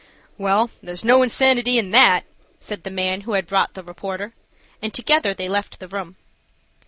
"Well, there is no insanity in that," said the man who had brought the reporter, and together they left the room.